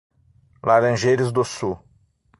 Laranjeiras do Sul